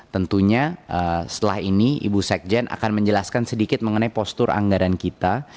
tentunya setelah ini ibu sekjen akan menjelaskan sedikit mengenai postur anggaran kita